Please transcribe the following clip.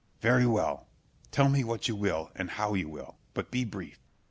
Scip. Very well; tell me what you will and how you will, but be brief.